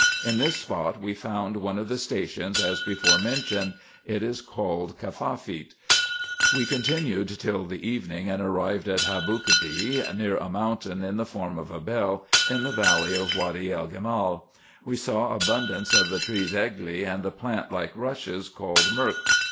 In this spot we found one of the stations, as before mentioned; it is called Kafafeet. We continued till the evening, and arrived at Habookady, near a mountain in form of a bell, in the valley of Wady cl Gimal : we saw abundance of the trees egfey, and the plant like rushes, called murk.